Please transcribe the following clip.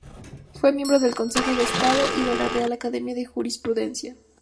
Fue miembro del Consejo de Estado y de la Real Academia de Jurisprudencia.